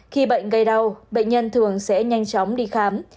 khi bệnh gây đau bệnh nhân thường sẽ nhanh chóng đi khám